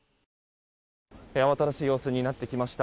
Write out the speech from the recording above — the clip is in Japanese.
慌ただしい様子になってきました。